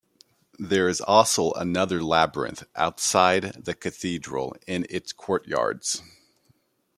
There is also another labyrinth outside of the cathedral in its courtyards.